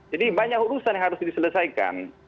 jadi banyak urusan yang harus diselesaikan